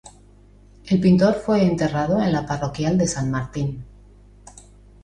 El pintor fue enterrado en la parroquial de San Martín.